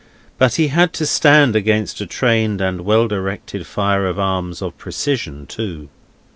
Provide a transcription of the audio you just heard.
But he had to stand against a trained and well directed fire of arms of precision too.